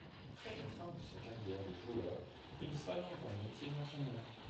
Après la fin de sa carrière de joueur, il s'oriente vers le métier d'entraîneur.